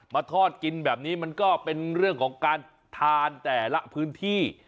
มาทอดกินแบบนี้มันก็เป็นเรื่องของการทานแต่ละพื้นที่